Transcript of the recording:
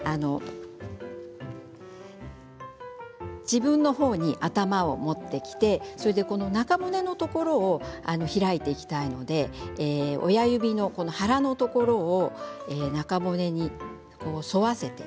自分のほうに頭を持ってきて中骨のところを開いていきたいので親指の腹のところを中骨に沿わせて。